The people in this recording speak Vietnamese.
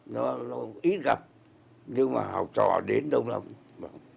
nó ít gặp nhưng mà học trò đến đông lắm